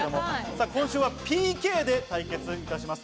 今週はＰＫで対決いたします。